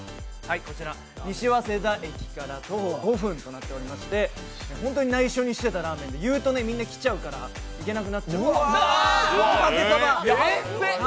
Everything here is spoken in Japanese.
西早稲田駅から徒歩５分となっておりまして、本当に内緒にしていたラーメン屋で言うとみんな来ちゃうから行けなくなっちゃうこのかけそば！